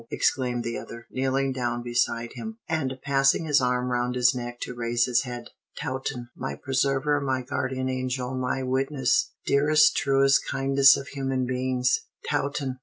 exclaimed the other, kneeling down beside him, and passing his arm round his neck to raise his head. "Taunton! My preserver, my guardian angel, my witness! Dearest, truest, kindest of human beings! Taunton!